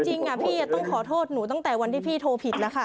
จริงพี่ต้องขอโทษหนูตั้งแต่วันที่พี่โทรผิดแล้วค่ะ